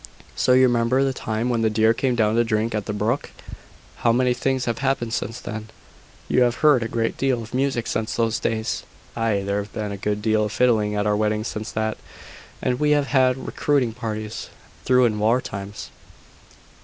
"So you remember the time when the deer came down to drink at the brook! How many things have happened since then! You have heard a great deal of music since those days." "Ay, there has been a good deal of fiddling at our weddings since that. And we have had recruiting parties through in war times."